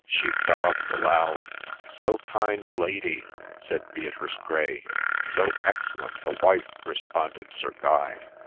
She sobbed aloud. ' So kind a lady !' said Beatrice Grey. —' So excellent a wife I ' responded Sir Guy.